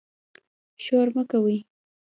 شور مه کوئ